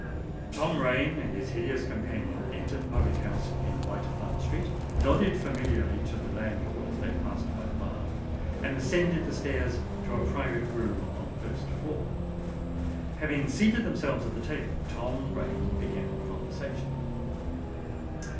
Tom Rain and his hideous companion entered the public house in White Hart Street, nodded familiarly to the landlord as they passed by the bar, and ascended the stairs to a private room on the first floor. Having seated themselves at the table, Tom Rain began the conversation.